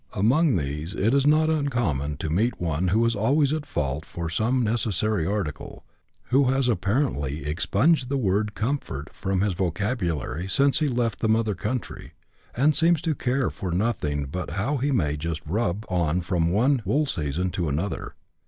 Among these it is not uncommon to meet one who is always at fault for some necessary article, who has apparently expunged the word comfort from his vocabulary since he left the mother country, and seems to care for nothing but how he may just rub on from one vvool season to another.